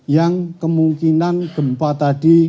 yang kemungkinan gempa tadi